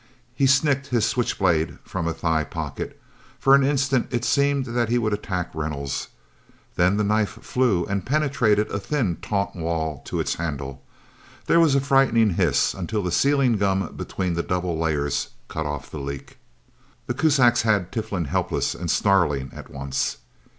He snicked his switch blade from a thigh pocket. For an instant it seemed that he would attack Reynolds. Then the knife flew, and penetrated the thin, taut wall, to its handle. There was a frightening hiss, until the sealing gum between the double layers, cut off the leak. The Kuzaks had Tiflin helpless and snarling, at once.